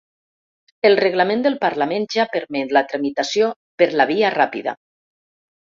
El reglament del parlament ja permet la tramitació ‘per la via ràpida’